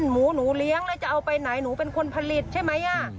หมูหนูเลี้ยงแล้วจะเอาไปไหนหนูเป็นคนผลิตใช่ไหม